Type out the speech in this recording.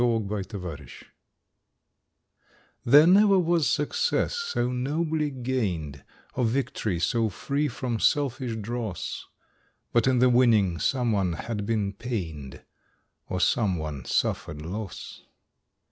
SUN SHADOWS There never was success so nobly gained, Or victory so free from selfish dross, But in the winning some one had been pained Or some one suffered loss.